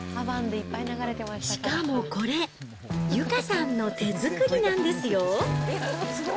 しかもこれ、由佳さんの手作りなんですよ。